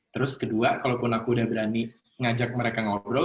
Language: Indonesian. terus kedua kalaupun aku udah berani ngajak mereka ngobrol